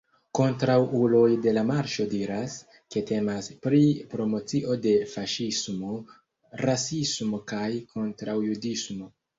Kontraŭuloj de la Marŝo diras, ke temas pri promocio de faŝismo, rasismo kaj kontraŭjudismo.